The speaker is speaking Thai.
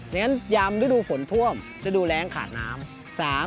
อย่างนั้นยามฤดูฝนท่วมฤดูแรงขาดน้ำ